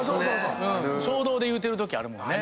衝動で言うてるときあるもんね。